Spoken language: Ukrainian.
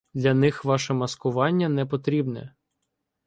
Для них ваше маскування непотрібне.